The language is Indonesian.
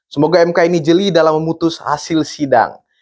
semoga mk ini jeli dalam memutus hasil sidang